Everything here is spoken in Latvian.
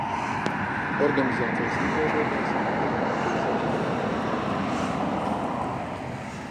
Organizācijas izveidotājs un vadītājs bija sociāldemokrāts Bruno Kalniņš.